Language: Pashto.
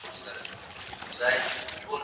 زه پرون موبایل کاروم،